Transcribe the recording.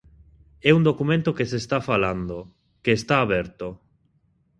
É un documento que se está falando, que está aberto.